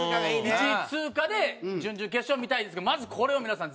１位通過で準々決勝見たいですけどまずこれを皆さん